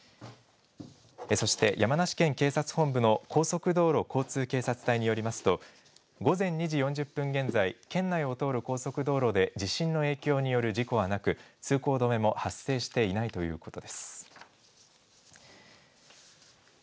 そして山梨県警察本部の高速道路交通警察隊によりますと、午前２時４０分現在、県内を通る高速道路で地震の影響による事故はなく、通行止めも発生していないということです。